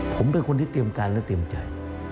ผมเป็นคนที่เตรียมการและเตรียมใจ